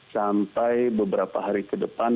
sampai beberapa hari ke depan